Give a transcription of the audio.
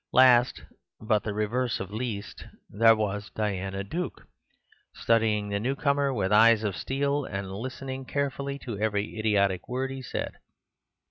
Last, but the reverse of least, there was Diana Duke, studying the newcomer with eyes of steel, and listening carefully to every idiotic word he said.